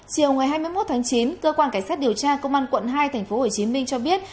chiều hai mươi một chín cơ quan cảnh sát điều tra công an quận hai tp hcm cho biết